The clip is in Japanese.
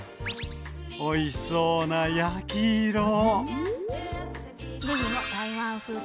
おいしそうな焼き色！